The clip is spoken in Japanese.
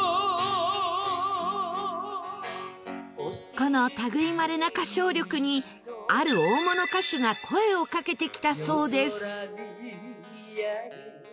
この類いまれな歌唱力にある大物歌手が声をかけてきたそうです。